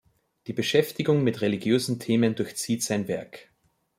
Die Beschäftigung mit religiösen Themen durchzieht sein Werk.